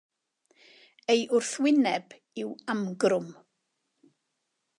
Ei wrthwyneb yw amgrwm.